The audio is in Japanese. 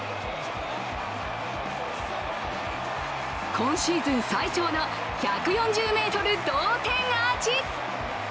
今シーズン最長の１４０ｍ同点アーチ。